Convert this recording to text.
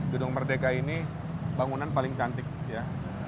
gedung merdeka ini bangunan paling cantik ya